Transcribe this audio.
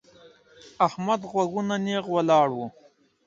احمد غوږونه نېغ ولاړ وو.